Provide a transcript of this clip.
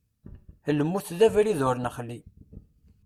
Lmut d abrid ur nexli.